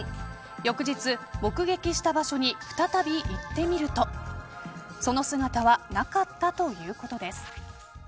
翌日、目撃した場所に再び行ってみるとその姿はなかったということです。